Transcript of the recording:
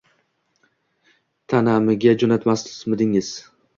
Tanamiga jo`namasmidingiz